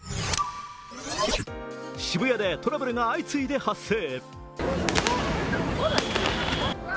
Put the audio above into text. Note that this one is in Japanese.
渋谷でトラブルが相次いで発生。